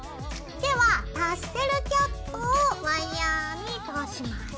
ではタッセルキャップをワイヤーに通します。